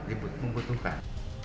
itu bisa dibutuhkan